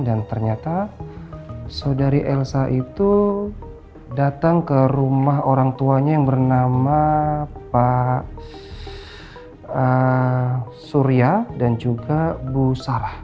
dan ternyata saudari elsa itu datang ke rumah orang tuanya yang bernama pak surya dan juga bu sarah